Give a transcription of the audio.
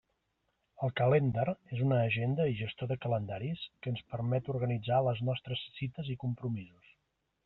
El Calendar és una agenda i gestor de calendaris que ens permet organitzar les nostres cites i compromisos.